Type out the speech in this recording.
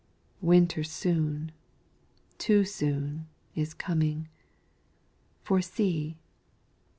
Winter soon, too soon, is coming, For see!